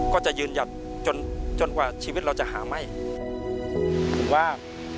ก็จะยืนหยัดจนจนกว่าชีวิตเราจะหาไหม้ผมว่า